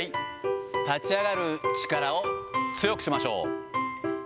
立ち上がる力を強くしましょう。